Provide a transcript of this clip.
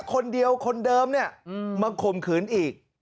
คนเดียวคนเดิมเนี่ยมาข่มขืนอีก